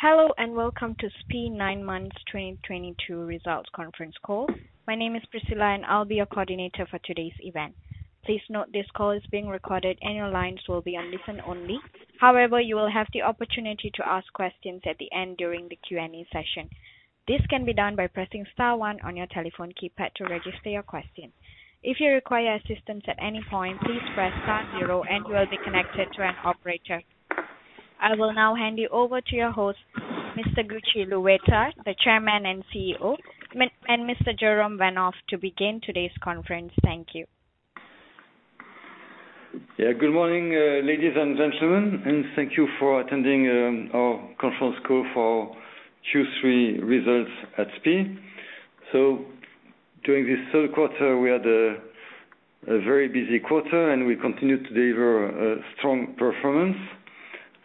Hello, and welcome to SPIE 9 months 2022 results conference call. My name is Priscilla, and I'll be your coordinator for today's event. Please note this call is being recorded, and your lines will be on listen only. However, you will have the opportunity to ask questions at the end during the Q&A session. This can be done by pressing star one on your telephone keypad to register your question. If you require assistance at any point, please press star zero and you'll be connected to an operator. I will now hand you over to your host, Mr. Gauthier Louette, the Chairman and CEO, and Mr. Jérôme Vanhove to begin today's conference. Thank you. Yeah. Good morning, ladies and gentlemen, and thank you for attending our conference call for Q3 results at SPIE. During this third quarter, we had a very busy quarter, and we continued to deliver strong performance.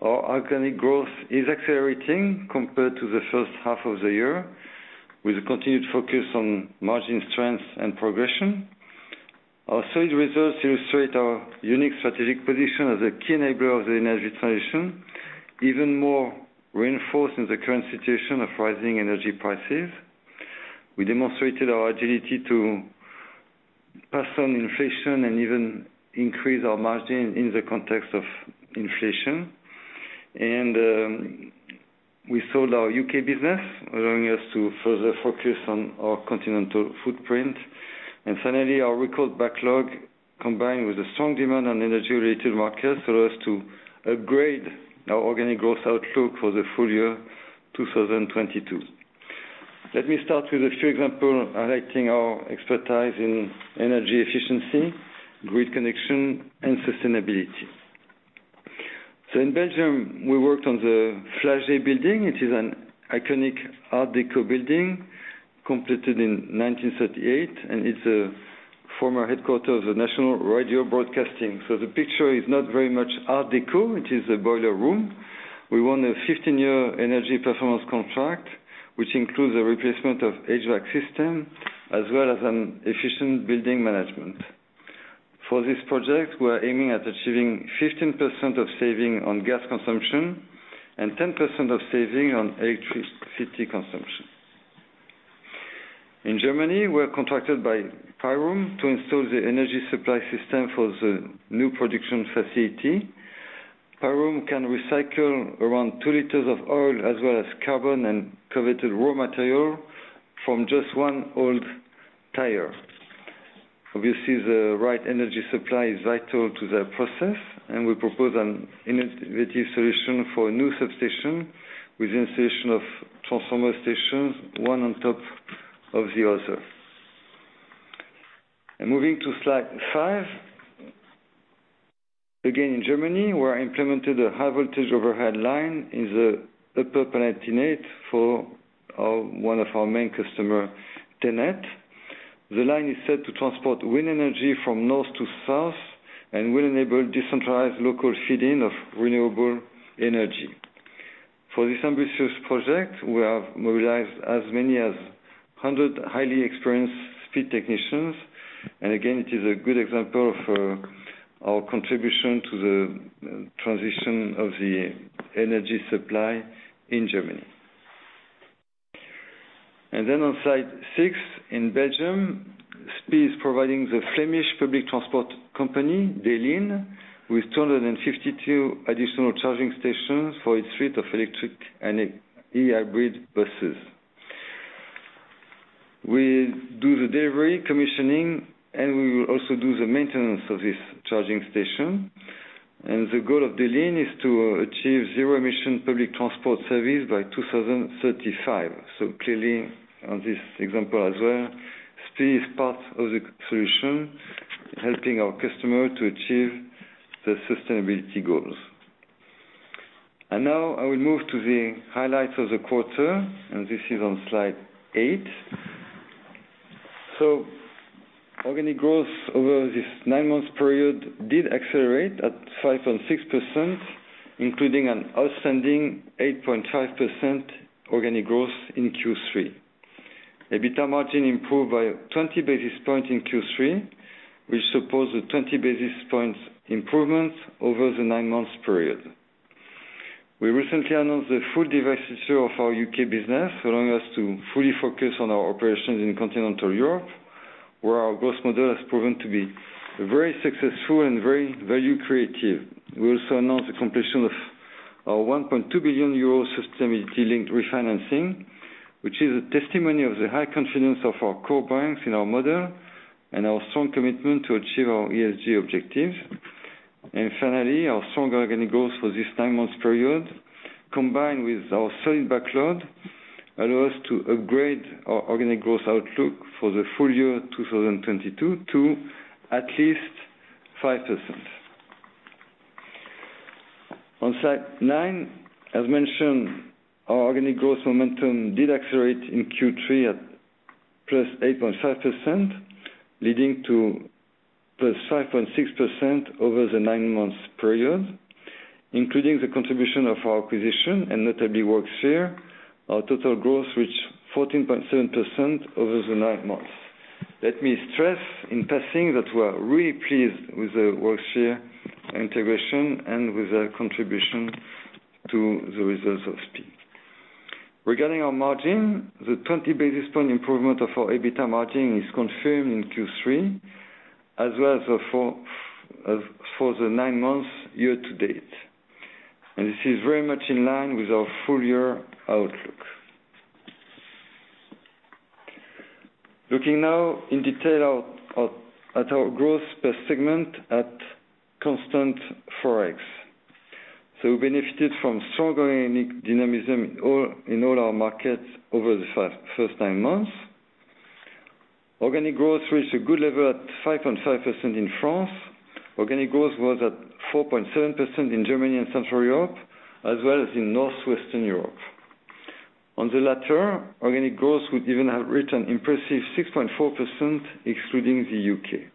Our organic growth is accelerating compared to the first half of the year, with a continued focus on margin strength and progression. Our sales results illustrate our unique strategic position as a key enabler of the energy transition, even more reinforced in the current situation of rising energy prices. We demonstrated our agility to pass on inflation and even increase our margin in the context of inflation. We sold our UK business, allowing us to further focus on our continental footprint. Finally, our record backlog, combined with the strong demand on energy-related markets, allow us to upgrade our organic growth outlook for the full year 2022. Let me start with a few examples highlighting our expertise in energy efficiency, grid connection and sustainability. In Belgium, we worked on the Flagey building. It is an iconic art deco building completed in 1978, and it's a former headquarters of the National Radio Broadcasting. The picture is not very much art deco. It is a boiler room. We won a 15-year energy performance contract, which includes a replacement of HVAC system as well as an efficient building management. For this project, we're aiming at achieving 15% of savings on gas consumption and 10% of savings on electricity consumption. In Germany, we're contracted by Pyrum to install the energy supply system for the new production facility. Pyrum can recycle around 2 liters of oil as well as carbon and coveted raw material from just 1 old tire. Obviously, the right energy supply is vital to their process, and we propose an innovative solution for a new substation with installation of transformer stations, one on top of the other. Moving to slide 5. Again, in Germany, we implemented a high voltage overhead line in the Upper Palatinate for one of our main customer, TenneT. The line is set to transport wind energy from north to south and will enable decentralized local feed-in of renewable energy. For this ambitious project, we have mobilized as many as 100 highly experienced speed technicians. Again, it is a good example of our contribution to the transition of the energy supply in Germany. Then on slide six, in Belgium, SPIE is providing the Flemish public transport company, De Lijn, with 252 additional charging stations for its fleet of electric and E-hybrid buses. We do the delivery, commissioning, and we will also do the maintenance of this charging station. The goal of De Lijn is to achieve zero-emission public transport service by 2035. Clearly on this example as well, SPIE is part of the solution, helping our customer to achieve the sustainability goals. Now I will move to the highlights of the quarter, and this is on slide eight. Organic growth over this nine-month period did accelerate at 5.6%, including an outstanding 8.5% organic growth in Q3. EBITDA margin improved by 20 basis points in Q3, which supports the 20 basis points improvements over the 9 months period. We recently announced the full divestiture of our U.K. business, allowing us to fully focus on our operations in continental Europe, where our growth model has proven to be very successful and very value creative. We also announced the completion of our 1.2 billion euro sustainability-linked refinancing, which is a testimony of the high confidence of our core banks in our model and our strong commitment to achieve our ESG objective. Finally, our strong organic growth for this 9 months period, combined with our solid backlog, allow us to upgrade our organic growth outlook for the full year 2022 to at least 5%. On slide nine, as mentioned, our organic growth momentum did accelerate in Q3 at +8.5%, leading to +5.6% over the nine months period, including the contribution of our acquisition and notably Worksphere. Our total growth reached 14.7% over the nine months. Let me stress in passing that we are really pleased with the Worksphere integration and with the contribution to the results of SPIE. Regarding our margin, the 20 basis point improvement of our EBITDA margin is confirmed in Q3 as well as for the nine months year to date. This is very much in line with our full year outlook. Looking now in detail at our growth per segment at constant ForEx. Benefited from strong organic dynamism in all our markets over the first nine months. Organic growth reached a good level at 5.5% in France. Organic growth was at 4.7% in Germany and Central Europe, as well as in Northwestern Europe. On the latter, organic growth would even have reached an impressive 6.4%, excluding the UK.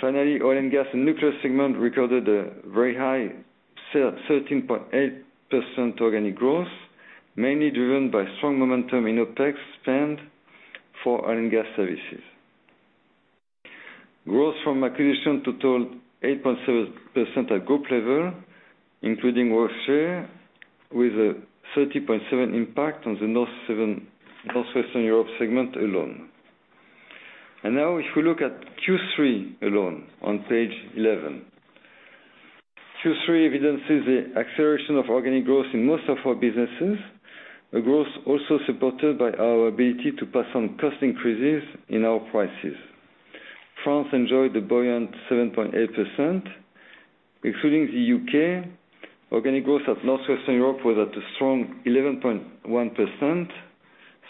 Finally, oil and gas and nuclear segment recorded a very high 13.8% Organic growth, mainly driven by strong momentum in OpEx spend for oil and gas services. Growth from acquisitions total 8.7% at group level, including Worksphere, with a 30.7% impact on the Northwestern Europe segment alone. Now if you look at Q3 alone on page eleven. Q3 evidences the acceleration of organic growth in most of our businesses. Growth also supported by our ability to pass on cost increases in our prices. France enjoyed a buoyant 7.8%, excluding the UK. Organic growth at Northwestern Europe was at a strong 11.1%,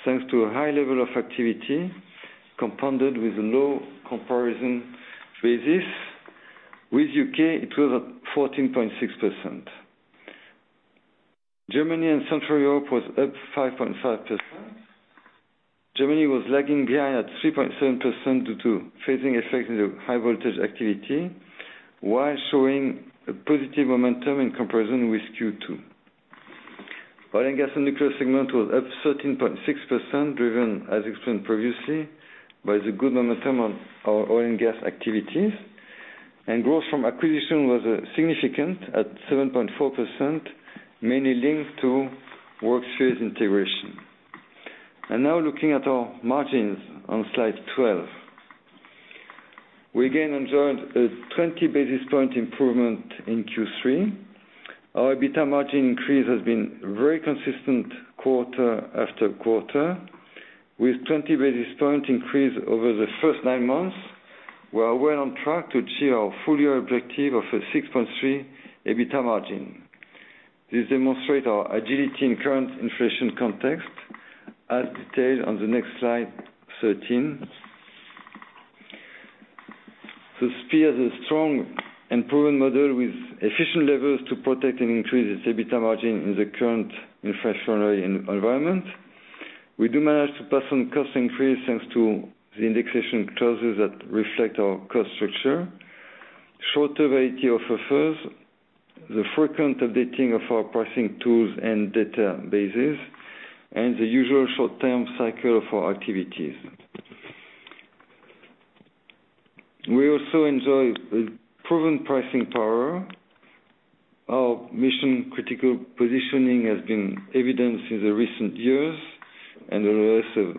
thanks to a high level of activity compounded with a low comparison basis. With UK, it was at 14.6%. Germany and Central Europe was up 5.5%. Germany was lagging behind at 3.7% due to phasing effects in the high voltage activity, while showing a positive momentum in comparison with Q2. Oil and gas and nuclear segment was up 13.6%, driven, as explained previously, by the good momentum on our oil and gas activities. Growth from acquisition was significant at 7.4%, mainly linked to Worksphere's integration. Now looking at our margins on slide 12. We again enjoyed a 20 basis point improvement in Q3. Our EBITDA margin increase has been very consistent quarter-after-quarter, with 20 basis points increase over the first nine months. We are well on track to achieve our full year objective of a 6.3% EBITDA margin. This demonstrate our agility in current inflation context, as detailed on the next slide 13. SPIE has a strong and proven model with efficient levers to protect and increase its EBITDA margin in the current inflationary environment. We do manage to pass on cost increase thanks to the indexation clauses that reflect our cost structure, shorter lead times, the frequent updating of our pricing tools and databases, and the usual short-term cycle for activities. We also enjoy a proven pricing power. Our mission-critical positioning has been evidenced in the recent years, and we have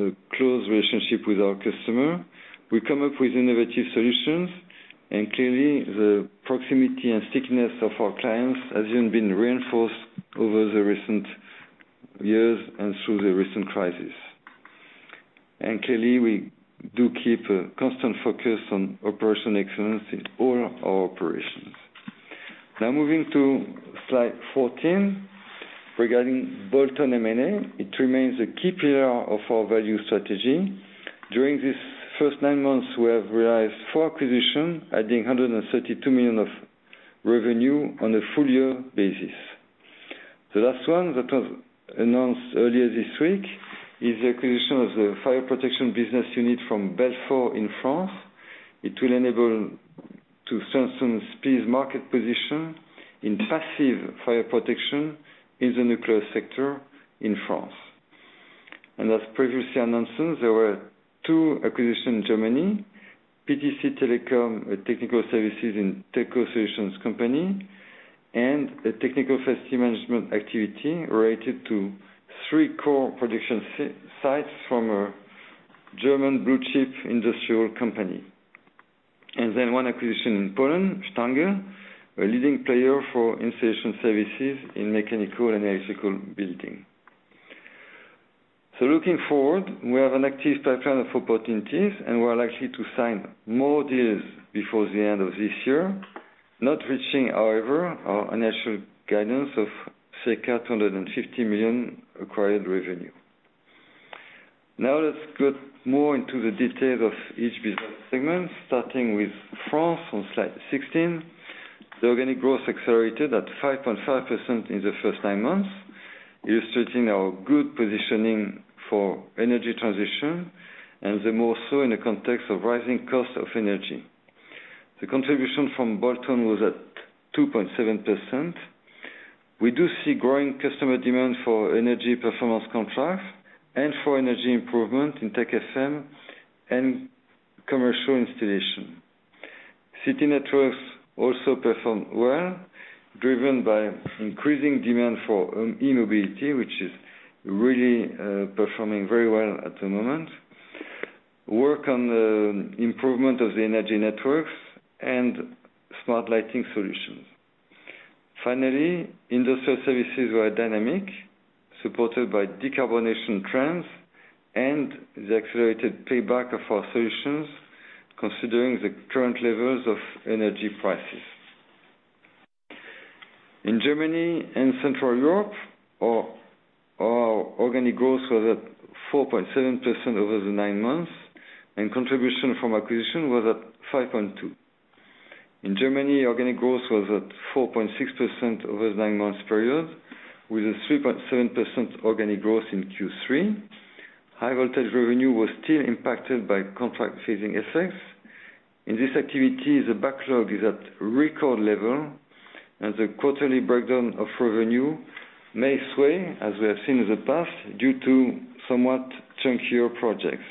a close relationship with our customer. We come up with innovative solutions, and clearly the proximity and stickiness of our clients has even been reinforced over the recent years and through the recent crisis. Clearly, we do keep a constant focus on operational excellence in all our operations. Now moving to slide 14. Regarding bolt-on M&A, it remains a key pillar of our value strategy. During these first 9 months, we have realized 4 acquisitions, adding 132 million of revenue on a full year basis. The last one that was announced earlier this week is the acquisition of the fire protection business unit from Belfor in France. It will enable to strengthen SPIE's market position in passive fire protection in the nuclear sector in France. As previously announced, there were two acquisitions in Germany, PTC Telecom, a technical services and technical solutions company, and a technical facility management activity related to three core production sites from a German blue chip industrial company. One acquisition in Poland, Stangl Technik, a leading player for installation services in mechanical and electrical building. Looking forward, we have an active pipeline of opportunities, and we are likely to sign more deals before the end of this year. Not reaching, however, our initial guidance of circa 250 million acquired revenue. Now let's get more into the details of each business segment, starting with France on slide 16. The organic growth accelerated at 5.5% in the first nine months, illustrating our good positioning for energy transition and the more so in the context of rising cost of energy. The contribution from Bolt-on was at 2.7%. We do see growing customer demand for energy performance contracts and for energy improvement in Tech FM and commercial installation. City networks also perform well, driven by increasing demand for e-mobility, which is really performing very well at the moment. Work on the improvement of the energy networks and smart lighting solutions. Finally, industrial services were dynamic, supported by decarbonization trends and the accelerated payback of our solutions, considering the current levels of energy prices. In Germany and Central Europe, our organic growth was at 4.7% over the nine months, and contribution from acquisition was at 5.2%. In Germany, organic growth was at 4.6% over the nine months period, with a 3.7% organic growth in Q3. High voltage revenue was still impacted by contract phasing effects. In this activity, the backlog is at record level, and the quarterly breakdown of revenue may sway, as we have seen in the past, due to somewhat chunkier projects.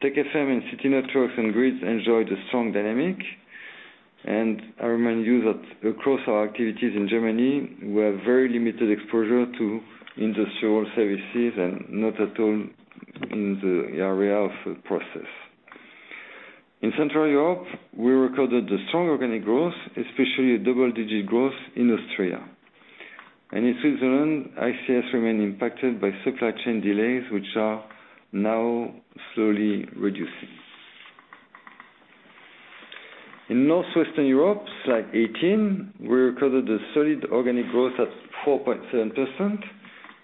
Tech FM and city networks and grids enjoyed a strong dynamic. I remind you that across our activities in Germany, we have very limited exposure to industrial services and not at all in the area of process. In Central Europe, we recorded a strong organic growth, especially a double-digit growth in Austria. In Switzerland, ICS remained impacted by supply chain delays, which are now slowly reducing. In Northwestern Europe, slide 18, we recorded a solid organic growth at 4.7%.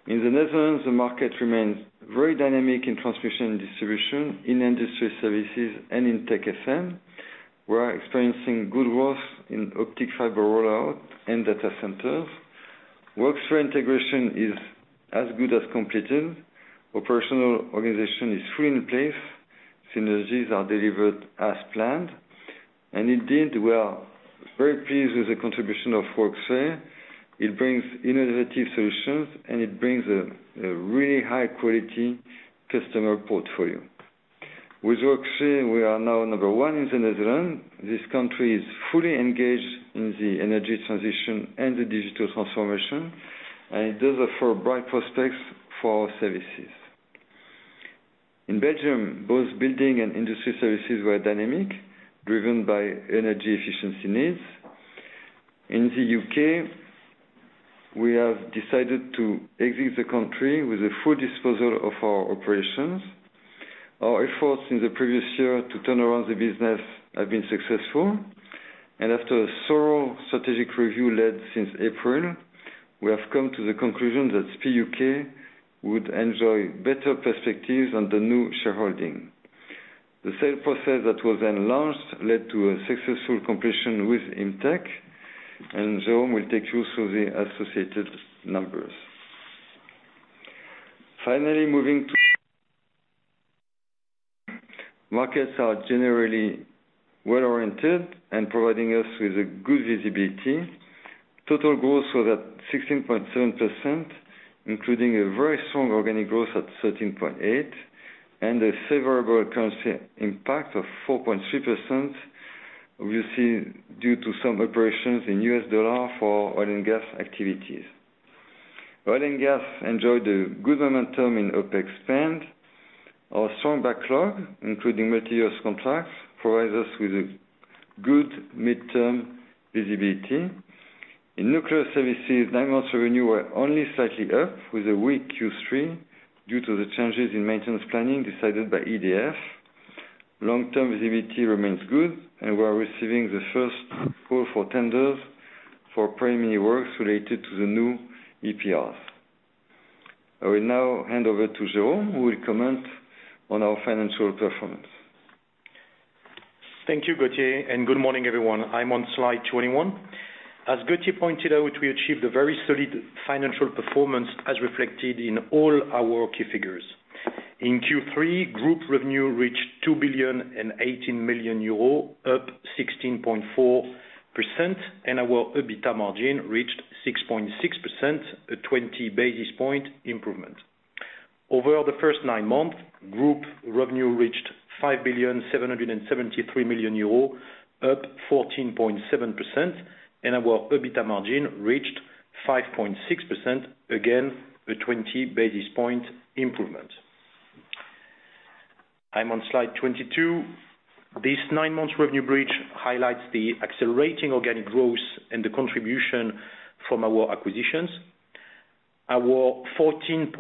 In the Netherlands, the market remains very dynamic in transmission and distribution, in industry services, and in Tech FM. We are experiencing good growth in optical fiber rollout and data centers. Worksphere integration is as good as completed. Operational organization is fully in place. Synergies are delivered as planned. Indeed, we are very pleased with the contribution of Worksphere. It brings innovative solutions, and it brings a really high quality customer portfolio. With Worksphere, we are now number one in the Netherlands. This country is fully engaged in the energy transition and the digital transformation. It does offer bright prospects for our services. In Belgium, both building and industry services were dynamic, driven by energy efficiency needs. In the UK, we have decided to exit the country with a full disposal of our operations. Our efforts in the previous year to turn around the business have been successful. After a thorough strategic review led since April, we have come to the conclusion that SPIE UK would enjoy better perspectives under new shareholding. The sale process that was then launched led to a successful completion with Imtech, and Jérôme will take you through the associated numbers. Finally, moving to markets. Markets are generally well-oriented and providing us with a good visibility. Total growth was at 16.7%, including a very strong organic growth at 13.8% and a favorable currency impact of 4.3%, obviously due to some operations in U.S. dollar for oil and gas activities. Oil and gas enjoyed a good momentum in OpEx spend. Our strong backlog, including multiyear contracts, provides us with a good midterm visibility. In nuclear services, nine months revenue were only slightly up, with a weak Q3 due to the changes in maintenance planning decided by EDF. Long-term visibility remains good, and we are receiving the first call for tenders for primary works related to the new EPRs. I will now hand over to Jérôme, who will comment on our financial performance. Thank you, Gauthier, and good morning, everyone. I'm on slide 21. As Gauthier pointed out, we achieved a very solid financial performance as reflected in all our key figures. In Q3, group revenue reached 2,018 million euros, up 16.4%, and our EBITDA margin reached 6.6%, a 20 basis points improvement. Over the first nine months, group revenue reached 5,773 million euro, up 14.7%, and our EBITDA margin reached 5.6%, again, a 20 basis points improvement. I'm on slide 22. This nine-month revenue bridge highlights the accelerating organic growth and the contribution from our acquisitions. Our 14.7%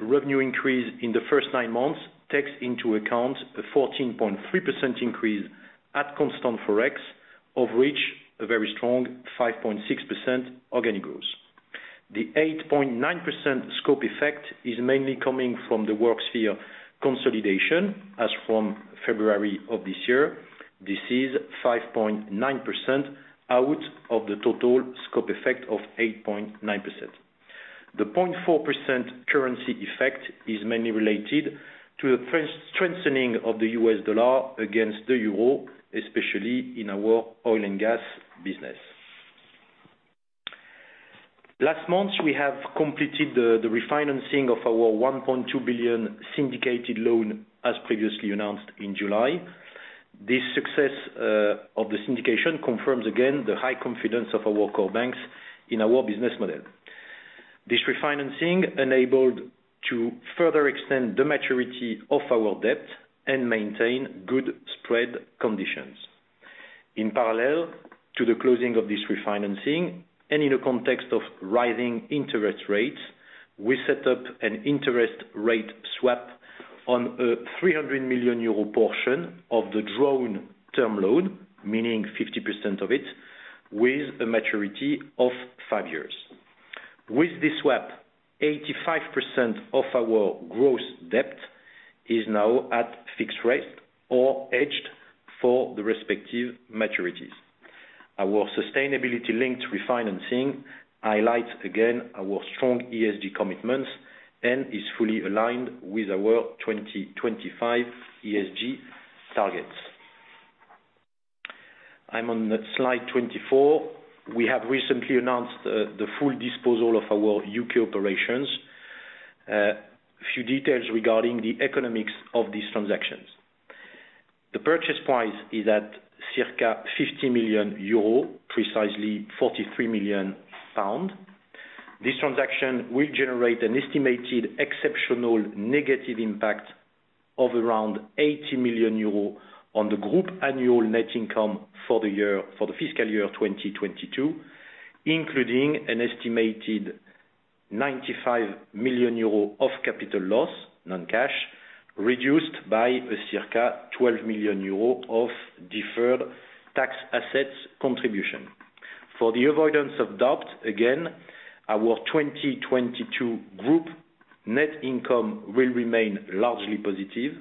revenue increase in the first nine months takes into account a 14.3% increase at constant ForEx, of which a very strong 5.6% organic growth. The 8.9% scope effect is mainly coming from the Worksphere consolidation as from February of this year. This is 5.9% out of the total scope effect of 8.9%. The 0.4% currency effect is mainly related to the strengthening of the US dollar against the euro, especially in our oil and gas business. Last month, we have completed the refinancing of our 1.2 billion syndicated loan, as previously announced in July. This success of the syndication confirms again the high confidence of our core banks in our business model. This refinancing enabled to further extend the maturity of our debt and maintain good spread conditions. In parallel to the closing of this refinancing, and in a context of rising interest rates, we set up an interest rate swap on a 300 million euro portion of the drawn term loan, meaning 50% of it, with a maturity of 5 years. With this swap, 85% of our gross debt is now at fixed rate or hedged for the respective maturities. Our sustainability-linked refinancing highlights again our strong ESG commitments and is fully aligned with our 2025 ESG targets. I'm on slide 24. We have recently announced the full disposal of our UK operations. A few details regarding the economics of these transactions. The purchase price is at circa 50 million euro, precisely 43 million pounds. This transaction will generate an estimated exceptional negative impact of around 80 million euros on the group annual net income for the year, for the fiscal year of 2022, including an estimated 95 million euros of capital loss, non-cash, reduced by a circa 12 million euros of deferred tax assets contribution. For the avoidance of doubt, again, our 2022 group net income will remain largely positive,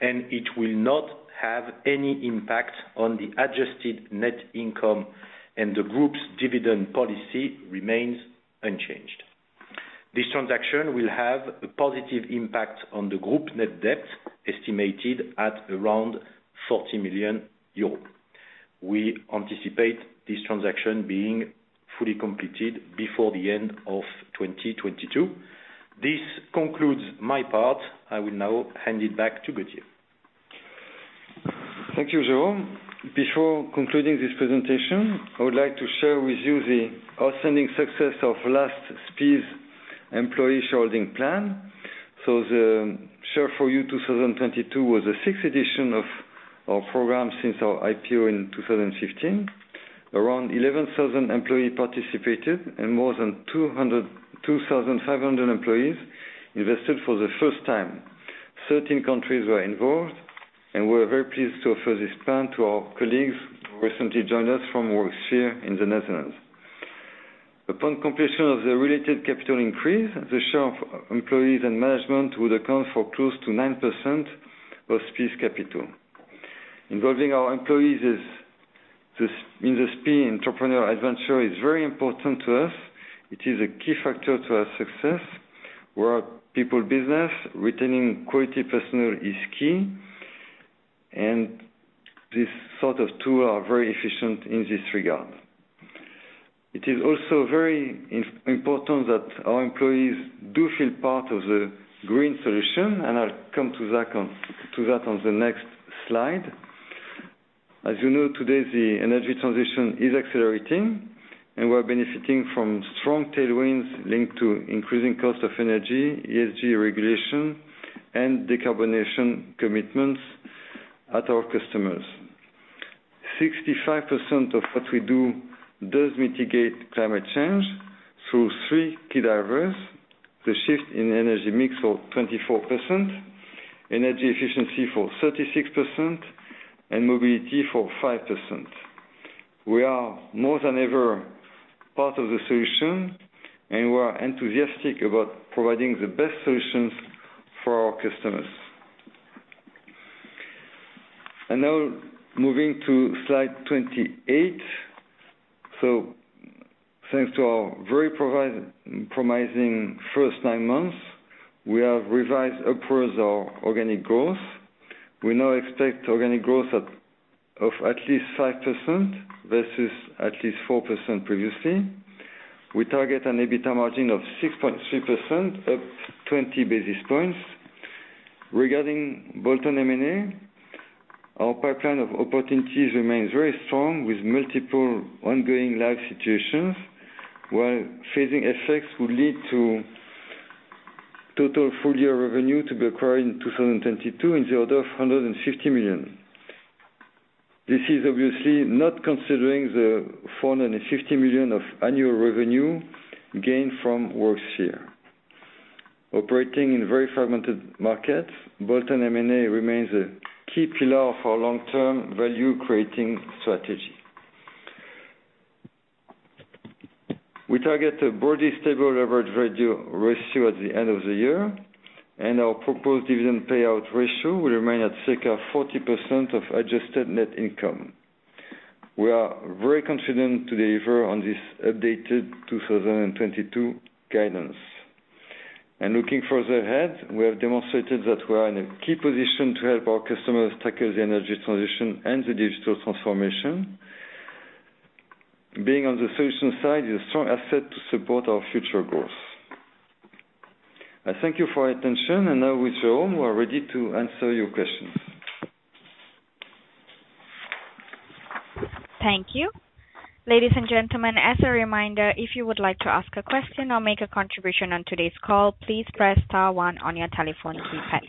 and it will not have any impact on the adjusted net income, and the group's dividend policy remains unchanged. This transaction will have a positive impact on the group net debt, estimated at around 40 million euros. We anticipate this transaction being fully completed before the end of 2022. This concludes my part. I will now hand it back to Gauthier. Thank you, Jérôme. Before concluding this presentation, I would like to share with you the outstanding success of last SPIE's employee sharing plan. The Share for You 2022 was the sixth edition of our program since our IPO in 2015. Around 11,000 employees participated, and more than 200, 2,500 employees invested for the first time. 13 countries were involved, and we're very pleased to offer this plan to our colleagues who recently joined us from Worksphere in the Netherlands. Upon completion of the related capital increase, the share of employees and management would account for close to 9% of SPIE's capital. Involving our employees is in the SPIE entrepreneurial adventure very important to us. It is a key factor to our success. We're a people business. Retaining quality personnel is key, and this sort of tool are very efficient in this regard. It is also very important that our employees do feel part of the green solution, and I'll come to that on the next slide. As you know, today, the energy transition is accelerating, and we're benefiting from strong tailwinds linked to increasing cost of energy, ESG regulation, and decarbonization commitments at our customers. 65% of what we do does mitigate climate change through three key drivers, the shift in energy mix of 24%, energy efficiency for 36%, and mobility for 5%. We are more than ever part of the solution, and we are enthusiastic about providing the best solutions for our customers. Now moving to slide 28. Thanks to our very promising first nine months, we have revised upwards our organic growth. We now expect organic growth of at least 5% versus at least 4% previously. We target an EBITDA margin of 6.3%, up 20 basis points. Regarding Bolt-on M&A, our pipeline of opportunities remains very strong, with multiple ongoing live situations, while phasing effects will lead to total full-year revenue to be acquired in 2022 in the order of 150 million. This is obviously not considering the 450 million of annual revenue gained from Worksphere. Operating in very fragmented markets, Bolt-on M&A remains a key pillar for long-term value-creating strategy. We target a broadly stable leverage ratio at the end of the year, and our proposed dividend payout ratio will remain at circa 40% of adjusted net income. We are very confident to deliver on this updated 2022 guidance. Looking further ahead, we have demonstrated that we are in a key position to help our customers tackle the energy transition and the digital transformation. Being on the solution side is a strong asset to support our future growth. I thank you for your attention and now with Jérôme, we are ready to answer your questions. Thank you. Ladies and gentlemen, as a reminder, if you would like to ask a question or make a contribution on today's call, please press star one on your telephone keypad.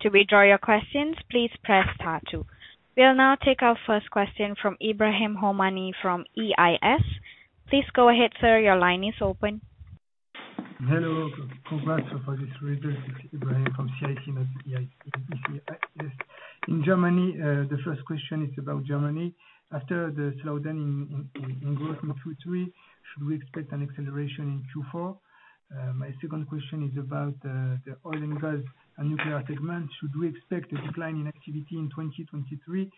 To withdraw your questions, please press star two. We'll now take our first question from Ibrahim Homani from CIC. Please go ahead, sir, your line is open. Hello. Congrats for this. This is Ibrahim from CIC, not EIS. In Germany, the first question is about Germany. After the slowdown in growth in Q3, should we expect an acceleration in Q4? My second question is about the oil and gas and nuclear segment. Should we expect a decline in activity in 2023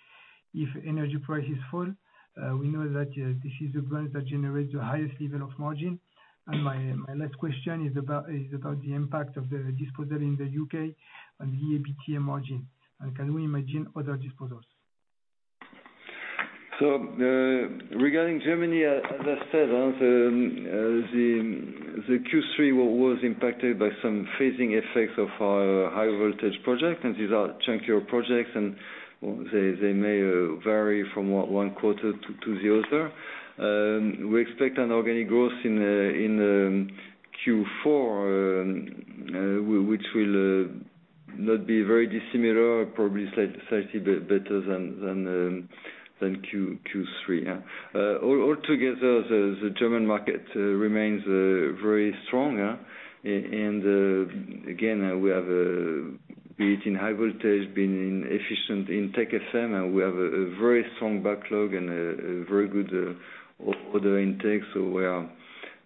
if energy prices fall? We know that this is the brands that generate the highest level of margin. My last question is about the impact of the disposal in the UK on the EBIT margin. Can we imagine other disposals? Regarding Germany, as I said, the Q3 was impacted by some phasing effects of our high voltage project, and these are chunkier projects and they may vary from one quarter to the other. We expect an organic growth in Q4, which will not be very dissimilar, probably slightly better than Q3, yeah. Altogether the German market remains very strong, yeah. Again, we have, be it in high voltage, be it in efficient, in Tech FM, a very strong backlog and a very good order intake. We are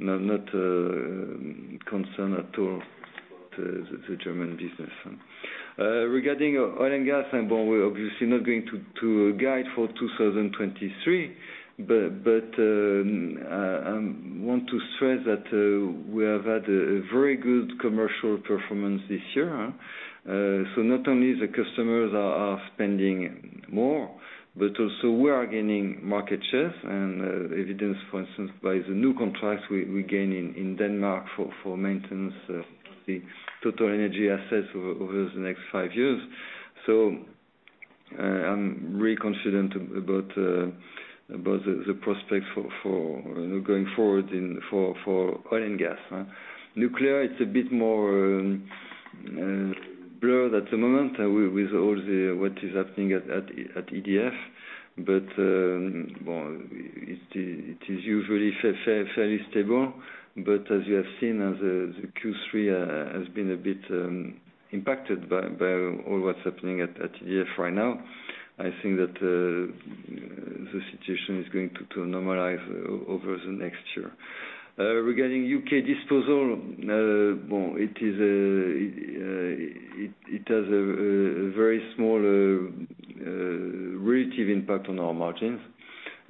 not concerned at all about the German business. Regarding oil and gas, well, we're obviously not going to guide for 2023, but want to stress that we have had a very good commercial performance this year. So not only the customers are spending more, but also we are gaining market shares and evidence for instance, by the new contracts we gain in Denmark for maintenance of the TotalEnergies assets over the next five years. So I'm really confident about the prospects for, you know, going forward in oil and gas. Nuclear, it's a bit more blurred at the moment, with all the what is happening at EDF. Well, it is usually fairly stable. As you have seen, the Q3 has been a bit impacted by all what's happening at EDF right now. I think that the situation is going to normalize over the next year. Regarding UK disposal, well, it has a very small relative impact on our margins,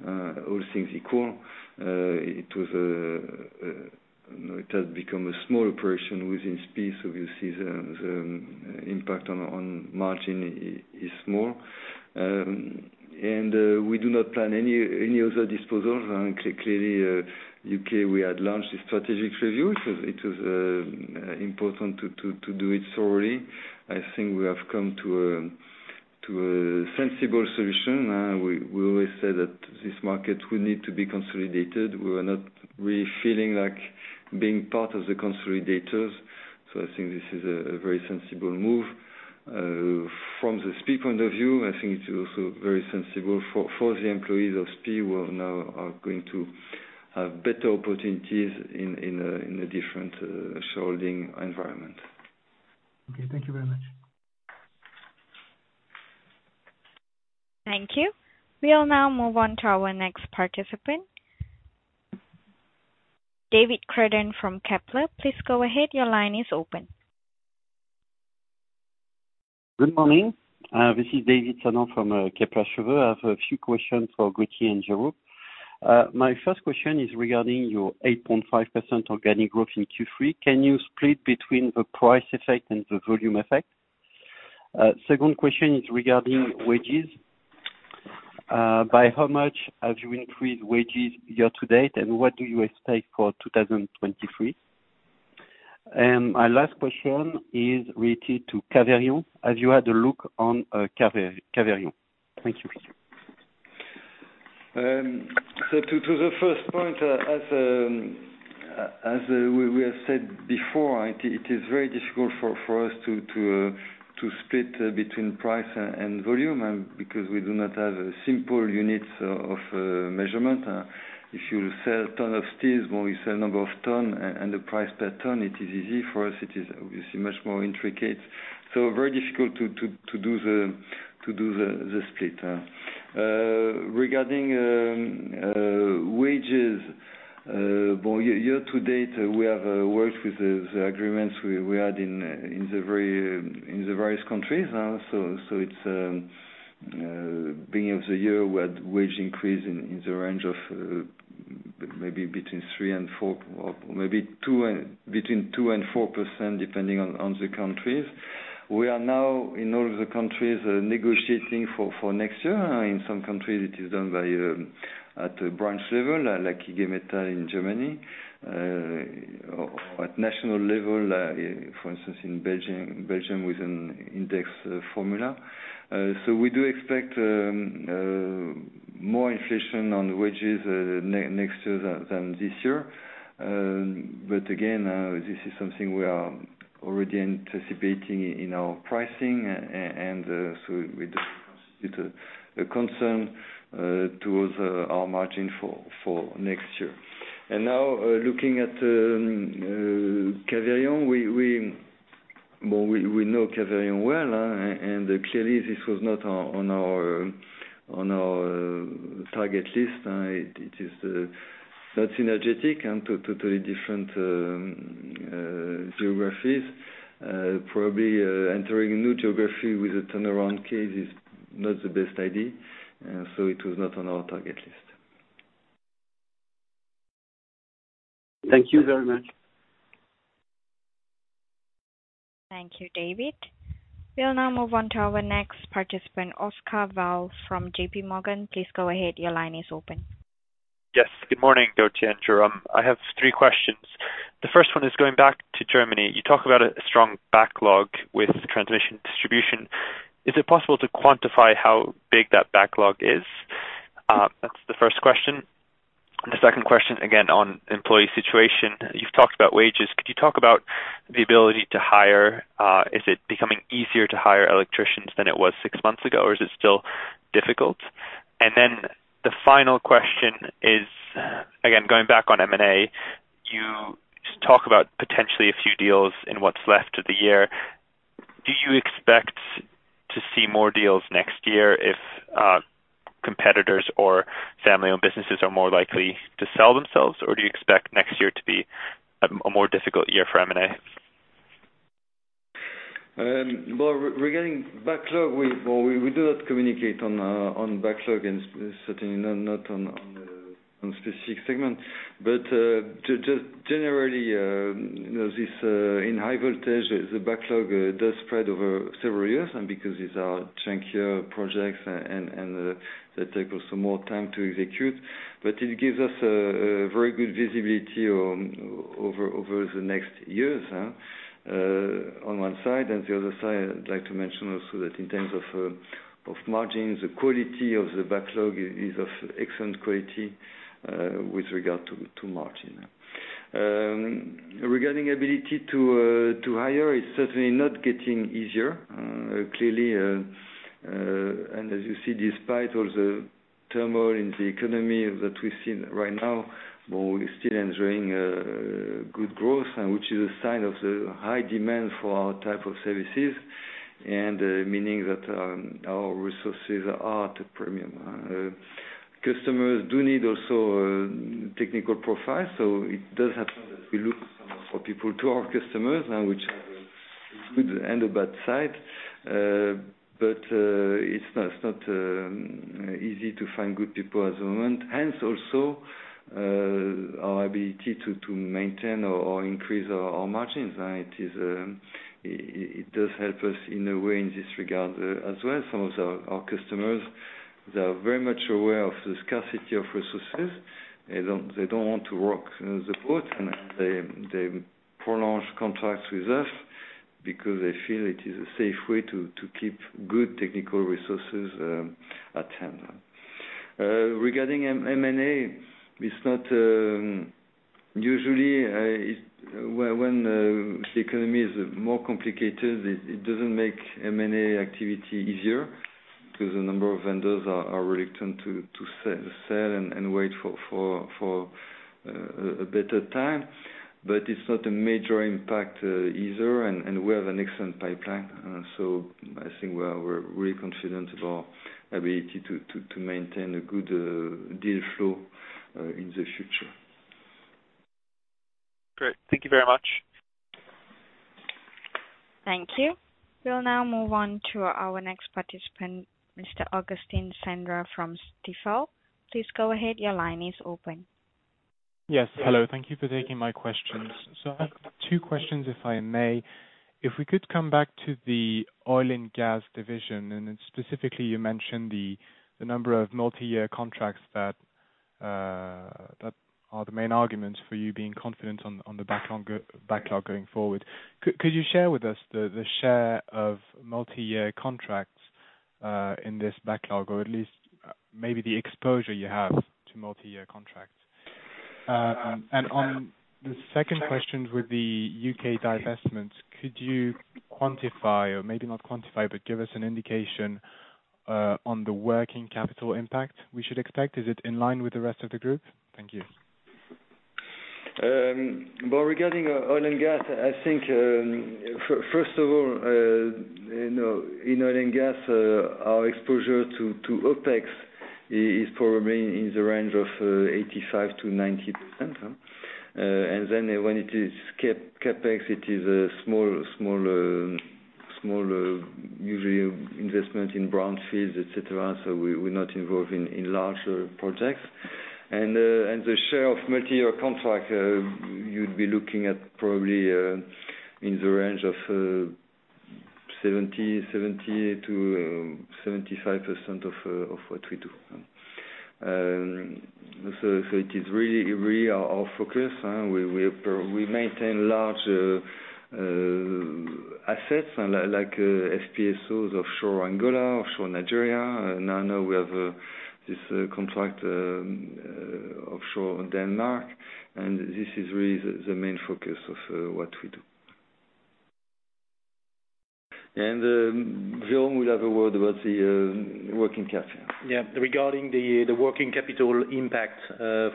all things equal. It has become a small operation within SPIE, so you see the impact on margin is small. We do not plan any other disposals. Clearly, UK, we had launched a strategic review. It was important to do it thoroughly. I think we have come to a sensible solution. We always say that this market will need to be consolidated. We are not really feeling like being part of the consolidators. I think this is a very sensible move. From the SPIE point of view, I think it's also very sensible for the employees of SPIE who are now going to have better opportunities in a different shareholding environment. Okay. Thank you very much. Thank you. We'll now move on to our next participant. David Cerdan from Kepler. Please go ahead. Your line is open. Good morning. This is David Sanon from Kepler Cheuvreux. I have a few questions for Gauthier Louette and Jérôme Vanhove. My first question is regarding your 8.5% organic growth in Q3. Can you split between the price effect and the volume effect? Second question is regarding wages. By how much have you increased wages year-to-date, and what do you expect for 2023? My last question is related to Caverion. Have you had a look at Caverion? Thank you. To the first point, as we have said before, it is very difficult for us to split between price and volume, because we do not have simple units of measurement. If you sell ton of steel, well you sell number of ton and the price per ton, it is easy. For us, it is obviously much more intricate. Very difficult to do the split. Regarding wages, well, year to date, we have worked with the agreements we had in the various countries. Beginning of the year, we had wage increase in the range of maybe between 2% and 4% depending on the countries. We are now in all of the countries negotiating for next year. In some countries it is done by at the branch level, like IG Metall in Germany. At national level, for instance, in Belgium with an index formula. We do expect more inflation on the wages next year than this year. Again, this is something we are already anticipating in our pricing. With the concern towards our margin for next year. Looking at Caverion, we know Caverion well. Clearly this was not on our target list. It is not synergistic and two totally different geographies. Probably entering new geography with a turnaround case is not the best idea. It was not on our target list. Thank you very much. Thank you, David. We'll now move on to our next participant, Oscar Val from JPMorgan. Please go ahead. Your line is open. Yes. Good morning, Gauthier and Jérôme. I have three questions. The first one is going back to Germany. You talk about a strong backlog with transmission distribution. Is it possible to quantify how big that backlog is? That's the first question. The second question, again, on employee situation. You've talked about wages. Could you talk about the ability to hire? Is it becoming easier to hire electricians than it was six months ago, or is it still difficult? The final question is, again, going back on M&A. You talk about potentially a few deals in what's left of the year. Do you expect to see more deals next year if competitors or family-owned businesses are more likely to sell themselves, or do you expect next year to be a more difficult year for M&A? Well, regarding backlog, we do not communicate on backlog and certainly not on specific segment. Just generally, you know, this in high voltage, the backlog does spread over several years, and because these are chunkier projects and that take us some more time to execute. It gives us a very good visibility over the next years on one side. The other side, I'd like to mention also that in terms of margins, the quality of the backlog is of excellent quality with regard to margin. Regarding ability to hire, it's certainly not getting easier. Clearly, as you see, despite all the turmoil in the economy that we've seen right now, we're still enjoying good growth, which is a sign of the high demand for our type of services, meaning that our resources are at a premium. Customers do need also technical profile, so it does happen that we lose some of our people to our customers now, which have a good and a bad side. It's not easy to find good people at the moment, hence also our ability to maintain or increase our margins. It does help us in a way in this regard, as well. Some of our customers, they are very much aware of the scarcity of resources. They don't want to rock the boat, and they prolong contracts with us because they feel it is a safe way to keep good technical resources at hand. Regarding M&A, it's not usually when the economy is more complicated. It doesn't make M&A activity easier because a number of vendors are reluctant to sell and wait for a better time. It's not a major impact either. We have an excellent pipeline. I think we're really confident of our ability to maintain a good deal flow in the future. Great. Thank you very much. Thank you. We'll now move on to our next participant, Mr. Augustin Cendre from Stifel. Please go ahead. Your line is open. Yes. Hello. Thank you for taking my questions. I have two questions, if I may. If we could come back to the oil and gas division, and then specifically you mentioned the number of multi-year contracts that are the main arguments for you being confident on the backlog growth going forward. Could you share with us the share of multi-year contracts in this backlog, or at least maybe the exposure you have to multi-year contracts? And on the second question, with the U.K. divestments, could you quantify or maybe not quantify, but give us an indication on the working capital impact we should expect? Is it in line with the rest of the group? Thank you. Well, regarding oil and gas, I think, first of all, you know, in oil and gas, our exposure to OpEx is probably in the range of 85%-90%. Then when it is CapEx, it is a small usually investment in brownfields, et cetera. We're not involved in larger projects. The share of multi-year contract you'd be looking at probably in the range of 70%-75% of what we do. It is really our focus, we maintain large assets like FPSOs offshore Angola, offshore Nigeria. Now we have this contract offshore Denmark, and this is really the main focus of what we do. Jérôme will have a word about the working capital. Yeah. Regarding the working capital impact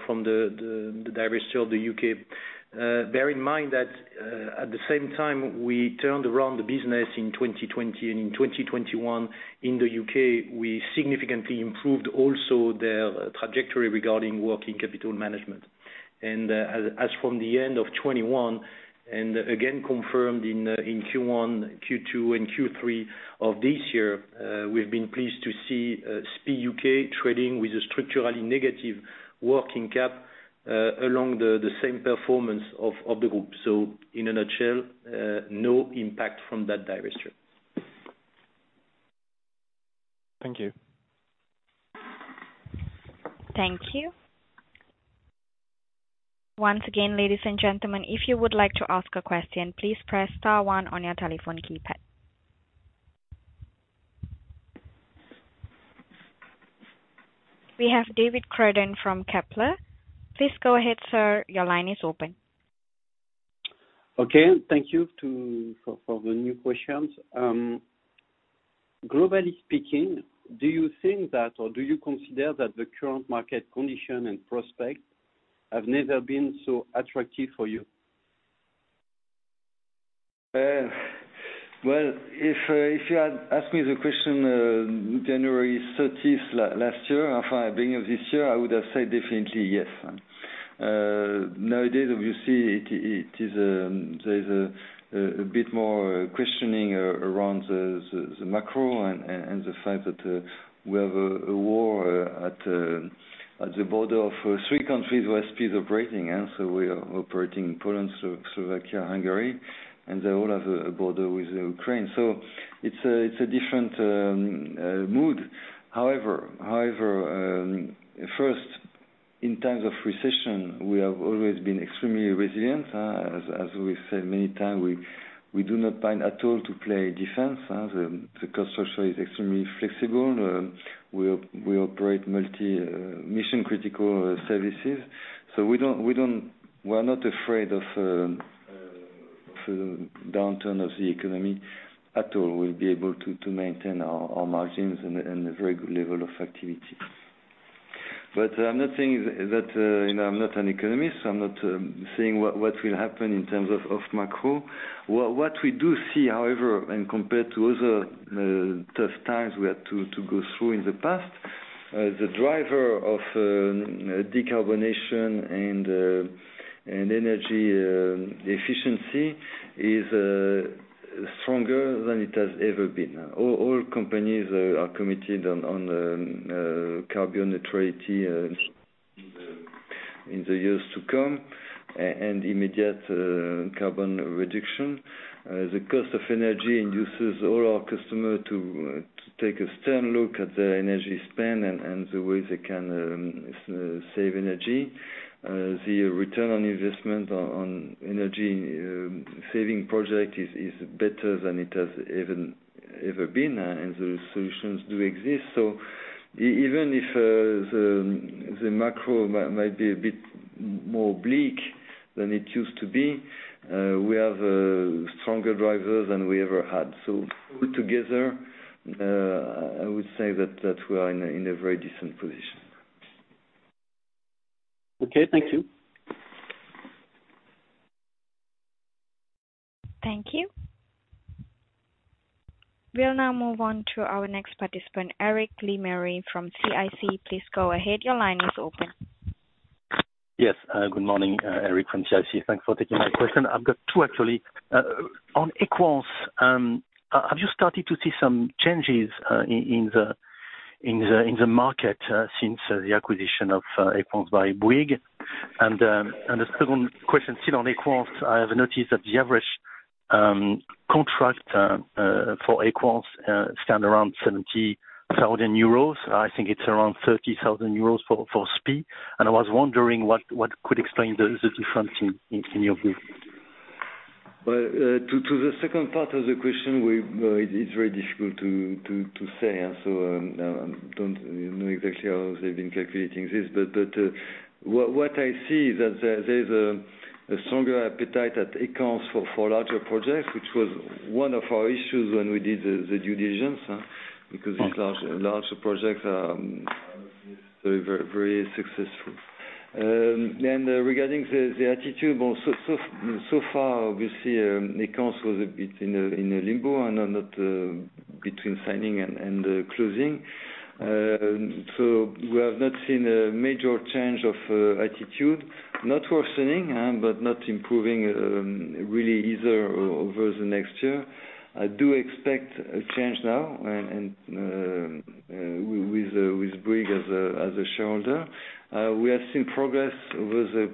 from the divestiture of the UK, bear in mind that at the same time, we turned around the business in 2020, and in 2021 in the UK, we significantly improved also their trajectory regarding working capital management. As from the end of 2021, and again confirmed in Q1, Q2, and Q3 of this year, we've been pleased to see SPIE UK trading with a structurally negative working cap along the same performance of the group. In a nutshell, no impact from that divestiture. Thank you. Thank you. Once again, ladies and gentlemen, if you would like to ask a question, please press star one on your telephone keypad. We have David Cerdan from Kepler. Please go ahead, sir. Your line is open. Okay. Thank you for the new questions. Globally speaking, do you think that, or do you consider that the current market condition and prospects have never been so attractive for you? Well, if you had asked me the question January 30th last year, or beginning of this year, I would have said definitely yes. Nowadays, obviously, it is there's a bit more questioning around the macro and the fact that we have a war at the border of three countries where SPIE is operating. We are operating Poland, Slovakia, Hungary, and they all have a border with Ukraine. It's a different mood. However, first, in times of recession, we have always been extremely resilient. As we've said many times, we do not plan at all to play defense. The cost structure is extremely flexible. We operate multi mission critical services. We're not afraid of the downturn of the economy at all. We'll be able to maintain our margins and a very good level of activity. I'm not saying that, you know, I'm not an economist, so I'm not saying what will happen in terms of macro. What we do see, however, and compared to other tough times we had to go through in the past, the driver of decarbonization and energy efficiency is stronger than it has ever been. All companies are committed to carbon neutrality in the years to come, and immediate carbon reduction. The cost of energy induces all our customer to take a stern look at their energy spend and the way they can save energy. The return on investment on energy saving project is better than it has even ever been, and the solutions do exist. Even if the macro might be a bit more bleak than it used to be, we have stronger drivers than we ever had. All together, I would say that we are in a very decent position. Okay. Thank you. Thank you. We'll now move on to our next participant, Eric Lemarié from CIC. Please go ahead. Your line is open. Yes. Good morning, Eric from CIC. Thanks for taking my question. I've got two actually. On Equans, have you started to see some changes in the market since the acquisition of Equans by Bouygues? The second question, still on Equans, I have noticed that the average contract for Equans stands around 70,000 euros. I think it's around 30,000 euros for SPI. I was wondering what could explain the difference in your view? Well, to the second part of the question, it's very difficult to say. I don't know exactly how they've been calculating this, but what I see is that there's a stronger appetite at Equans for larger projects, which was one of our issues when we did the due diligence, because these larger projects are very successful. Regarding the attitude, so far we see Equans was a bit in a limbo and not between signing and closing. We have not seen a major change of attitude, not worsening, but not improving really either over the next year. I do expect a change now and with Bouygues as a shareholder. We have seen progress over the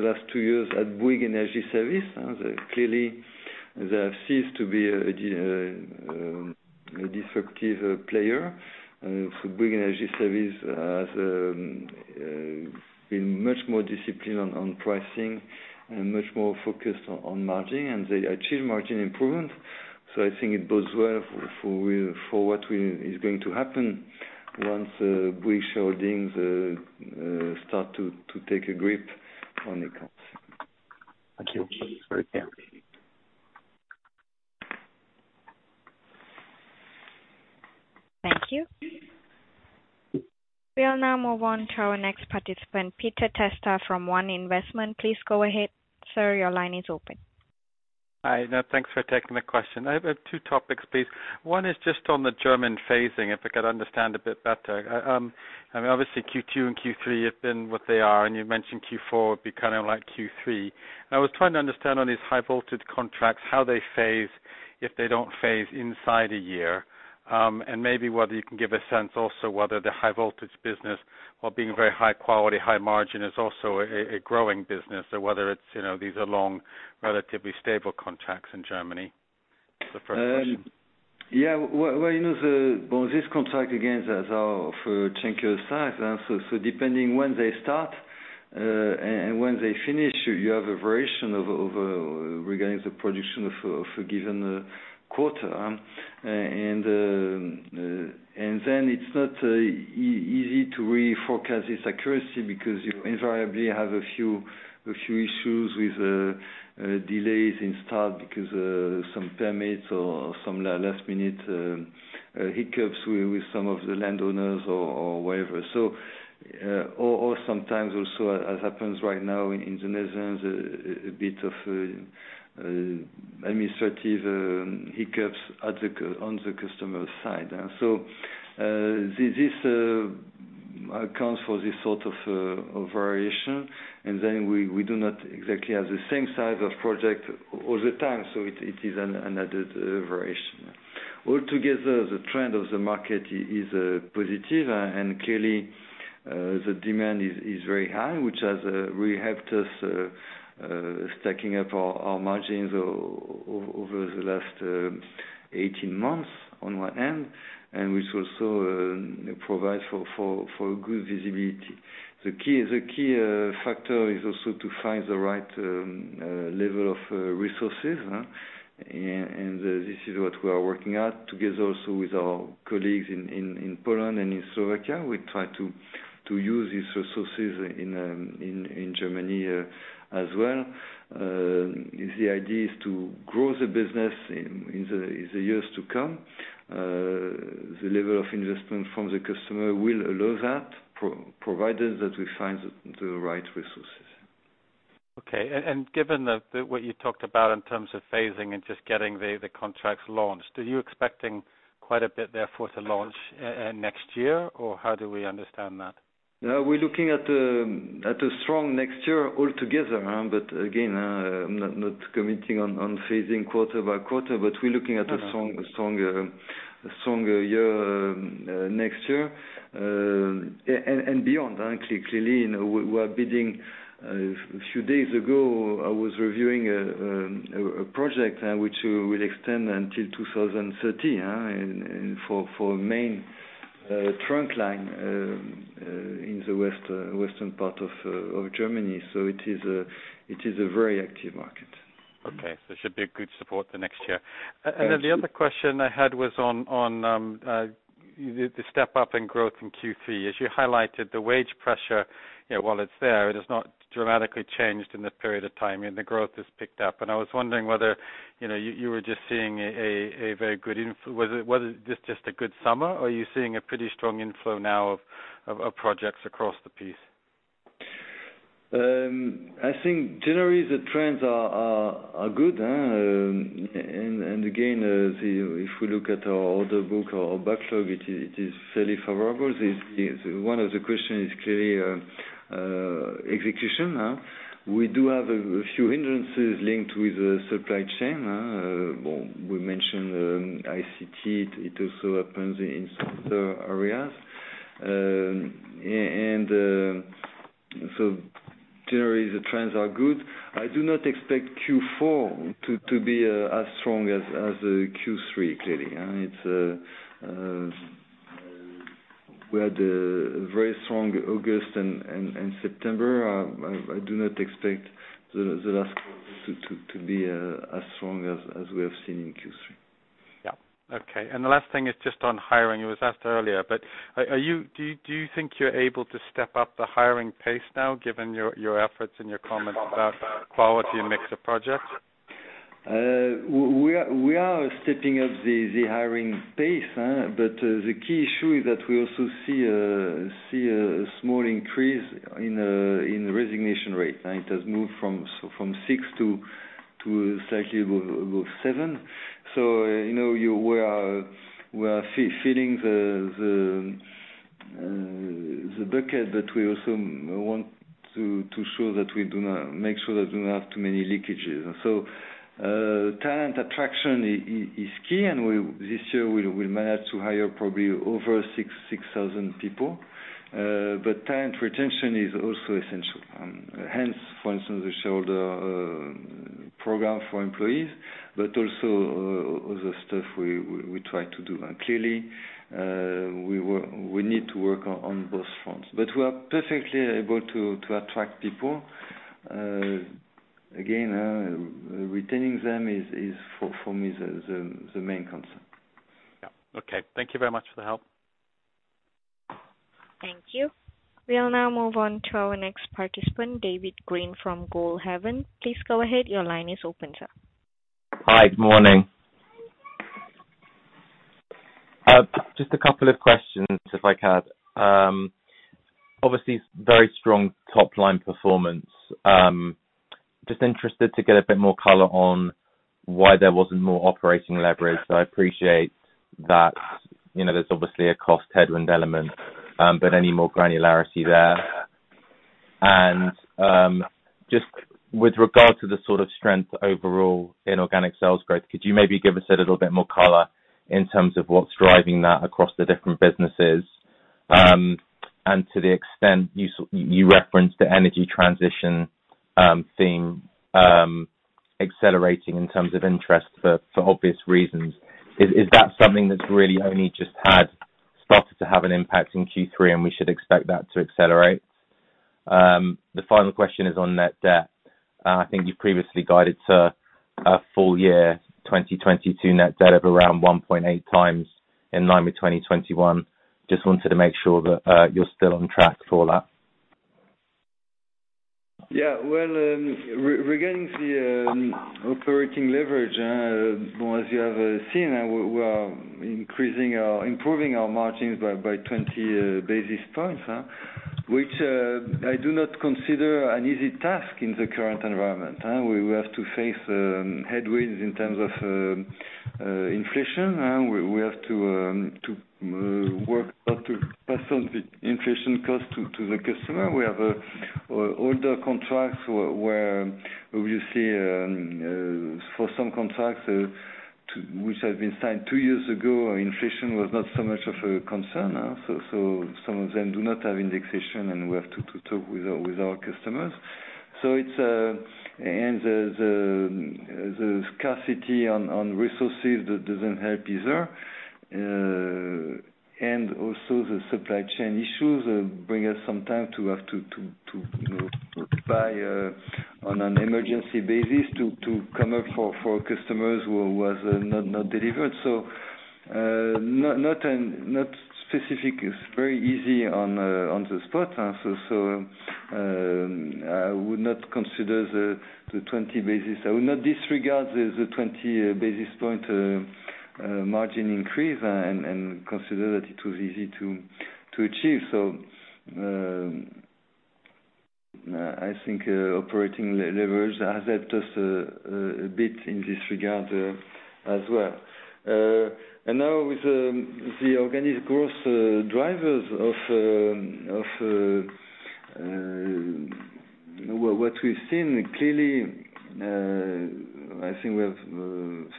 last two years at Bouygues Energies & Services. Clearly they have ceased to be a disruptive player. Bouygues Energies & Services has been much more disciplined on pricing and much more focused on margin, and they achieve margin improvement. I think it bodes well for what is going to happen once Bouygues' holdings start to take a grip on accounts. Thank you. Yeah. Thank you. We'll now move on to our next participant, Peter Testa from One Investments. Please go ahead, sir. Your line is open. Hi. No, thanks for taking the question. I have two topics, please. One is just on the German phasing, if I could understand a bit better. I mean, obviously Q2 and Q3 have been what they are, and you mentioned Q4 would be kind of like Q3. I was trying to understand on these high voltage contracts how they phase if they don't phase inside a year. Maybe whether you can give a sense also whether the high voltage business, while being very high quality, high margin, is also a growing business or whether it's, you know, these are long, relatively stable contracts in Germany. That's the first question. Yeah. Well, you know, this contract, again, is ours for 10 years size. Depending when they start and when they finish, you have a variation regarding the production of a given quarter. It is not easy to really forecast its accuracy because you invariably have a few issues with delays in start because some permits or some last minute hiccups with some of the landowners or wherever. Or sometimes also, as happens right now in the Netherlands, a bit of administrative hiccups on the customer side. This accounts for this sort of variation. We do not exactly have the same size of project all the time, so it is an added variation. Altogether, the trend of the market is positive, and clearly, the demand is very high, which has really helped us stacking up our margins over the last 18 months on one end, and which also provides for good visibility. The key factor is also to find the right level of resources. This is what we are working at together also with our colleagues in Poland and in Slovakia. We try to use these resources in Germany as well. The idea is to grow the business in the years to come. The level of investment from the customer will allow that, provided that we find the right resources. Okay. Given the what you talked about in terms of phasing and just getting the contracts launched, are you expecting quite a bit there for the launch next year, or how do we understand that? No, we're looking at a strong next year altogether, huh? Again, I'm not commenting on phasing quarter-by-quarter, but we're looking at a strong- Okay. Strong, a stronger year next year and beyond. Clearly, you know, we're bidding. A few days ago, I was reviewing a project which will extend until 2030, and for main trunk line in the western part of Germany. It is a very active market. Okay. It should be a good support the next year. Thank you. The other question I had was on, you know, the step up in growth in Q3. As you highlighted, the wage pressure, you know, while it's there, it has not dramatically changed in this period of time, and the growth has picked up. I was wondering whether, you know, you were just seeing a very good inflow. Was it just a good summer, or are you seeing a pretty strong inflow now of projects across the piece? I think generally the trends are good. And again, if we look at our order book, our backlog, it is fairly favorable. One of the questions is clearly execution. We do have a few hindrances linked with the supply chain. Well, we mentioned ICT. It also happens in some other areas. So generally the trends are good. I do not expect Q4 to be as strong as Q3, clearly. We had a very strong August and September. I do not expect the last quarter to be as strong as we have seen in Q3. Yeah. Okay. The last thing is just on hiring. It was asked earlier, but do you think you're able to step up the hiring pace now given your efforts and your comments about quality and mix of projects? We are stepping up the hiring pace, but the key issue is that we also see a small increase in the resignation rate. It has moved from 6% to slightly above 7%. You know, we are filling the bucket that we also want to make sure that we don't have too many leakages. Talent attraction is key, and this year we managed to hire probably over 6,000 people. Talent retention is also essential. Hence, for instance, we showed program for employees, but also other stuff we try to do. Clearly, we need to work on both fronts. We are perfectly able to attract people. Retaining them is for me the main concern. Yeah. Okay. Thank you very much for the help. Thank you. We'll now move on to our next participant, David Green from Goldhaven. Please go ahead. Your line is open, sir. Hi. Good morning. Just a couple of questions if I could. Obviously very strong top line performance. Just interested to get a bit more color on why there wasn't more operating leverage. I appreciate that, you know, there's obviously a cost headwind element, but any more granularity there? Just with regard to the sort of strength overall in organic sales growth, could you maybe give us a little bit more color in terms of what's driving that across the different businesses? To the extent you referenced the energy transition theme accelerating in terms of interest for obvious reasons. Is that something that's really only just had started to have an impact in Q3, and we should expect that to accelerate? The final question is on net debt. I think you previously guided to a full year 2022 net debt of around 1.8x EBITDA by 2021. Just wanted to make sure that you're still on track for that. Well, regarding the operating leverage, well, as you have seen, improving our margins by 20 basis points. Which I do not consider an easy task in the current environment. We will have to face headwinds in terms of inflation. We have to work to pass on the inflation cost to the customer. We have older contracts where we see, for some contracts, which have been signed two years ago, inflation was not so much of a concern. Some of them do not have indexation, and we have to talk with our customers. It's the scarcity of resources that doesn't help either. The supply chain issues bring us some time to have to, you know, to buy on an emergency basis to come up for customers who was not delivered. Not specific. It's very easy on the spot. I would not disregard the 20 basis point margin increase and consider that it was easy to achieve. I think operating leverage has helped us a bit in this regard, as well. Now with the organic growth drivers of what we've seen, clearly, I think we have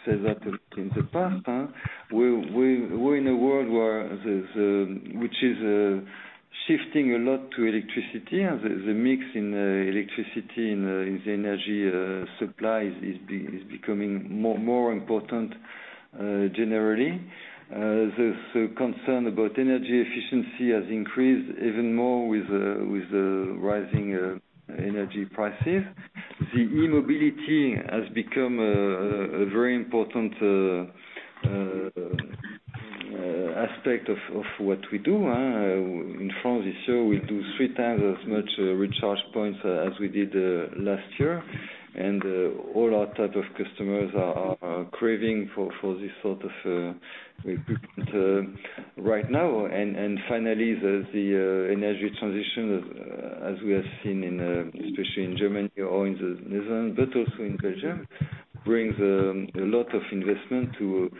said that in the past. We're in a world where there's which is shifting a lot to electricity. The mix in electricity in the energy supply is becoming more important generally. The concern about energy efficiency has increased even more with the rising energy prices. The e-mobility has become a very important aspect of what we do. In France this year, we do three times as much recharge points as we did last year. All our type of customers are craving for this sort of right now. Finally, the energy transition as we have seen in especially in Germany or in the Netherlands, but also in Belgium, brings a lot of investment to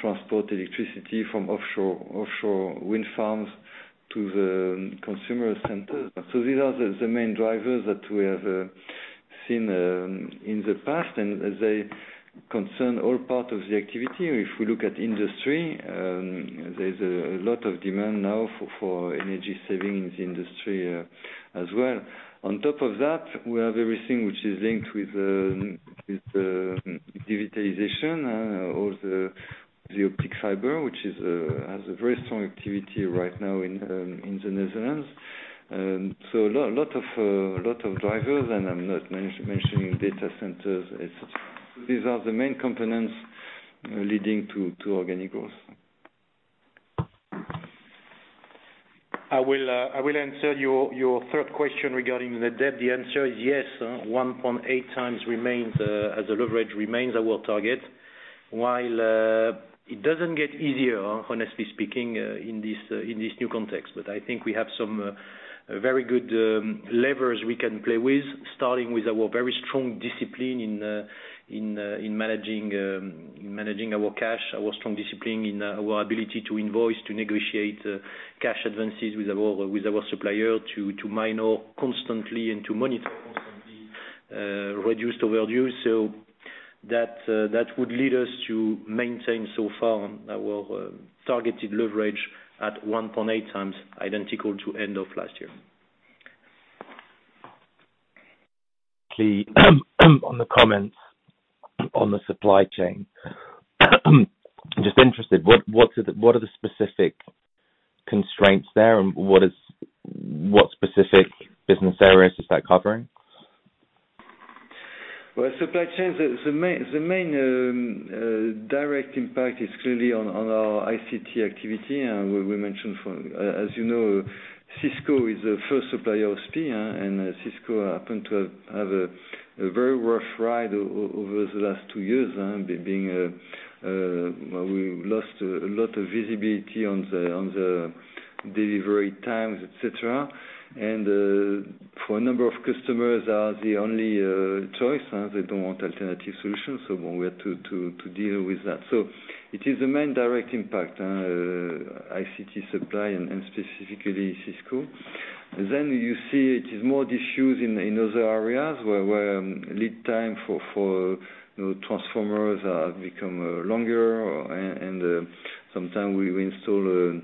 transport electricity from offshore wind farms to the consumer centers. These are the main drivers that we have seen in the past. They concern all part of the activity. If we look at industry, there's a lot of demand now for energy saving in the industry as well. On top of that, we have everything which is linked with the digitization or the optical fiber, which has a very strong activity right now in the Netherlands. A lot of drivers, and I'm not mentioning data centers, et cetera. These are the main components leading to organic growth. I will answer your third question regarding the debt. The answer is yes, 1.8x remains as the leverage remains our target. While it doesn't get easier, honestly speaking, in this new context. I think we have some very good levers we can play with, starting with our very strong discipline in managing our cash. Our strong discipline in our ability to invoice, to negotiate cash advances with our supplier, to manage constantly and to monitor constantly reduced overdues. That would lead us to maintain so far our targeted leverage at 1.8x, identical to end of last year. On the comments on the supply chain. Just interested, what are the specific constraints there and what specific business areas is that covering? Well, supply chain, the main direct impact is clearly on our ICT activity. We mentioned from, as you know, Cisco is the first supplier of SPIE, and Cisco happen to have a very rough ride over the last two years, being we lost a lot of visibility on the delivery times, et cetera. For a number of customers are the only choice, they don't want alternative solutions, so we have to deal with that. It is the main direct impact, ICT supply and specifically Cisco. You see it is more issues in other areas where lead time for you know transformers have become longer and sometimes we install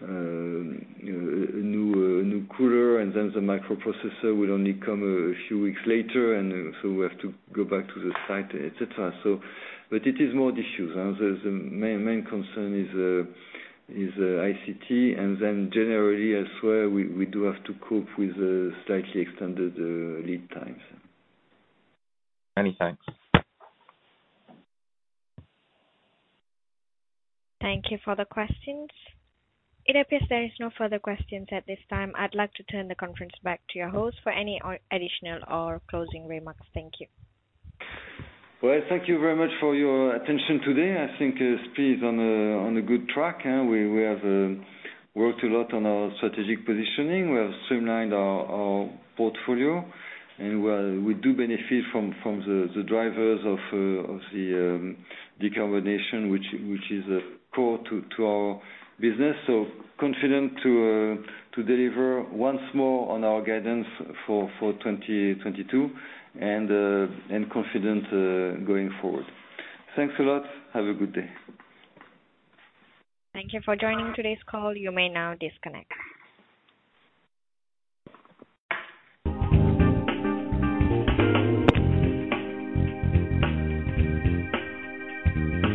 a new cooler and then the microprocessor will only come a few weeks later and so we have to go back to the site et cetera. It is more issues. The main concern is ICT and then generally elsewhere we do have to cope with slightly extended lead times. Many thanks. Thank you for the questions. It appears there is no further questions at this time. I'd like to turn the conference back to your host for any additional or closing remarks. Thank you. Well, thank you very much for your attention today. I think, SPIE is on a good track. We have worked a lot on our strategic positioning. We have streamlined our portfolio, and we do benefit from the drivers of the decarbonization which is core to our business. Confident to deliver once more on our guidance for 2022 and confident going forward. Thanks a lot. Have a good day. Thank you for joining today's call. You may now disconnect.